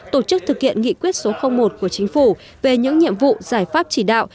tổ chức thực hiện nghị quyết số một của chính phủ về những nhiệm vụ giải pháp chỉ đạo